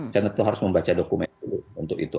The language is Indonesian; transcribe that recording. saya tentu harus membaca dokumen dulu untuk itu